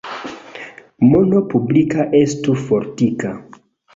Mono publika estu fortika.